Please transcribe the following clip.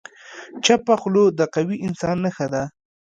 چپه خوله، د قوي انسان نښه ده.